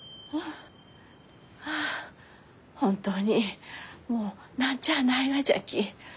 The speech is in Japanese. はあ本当にもう何ちゃあないがじゃき。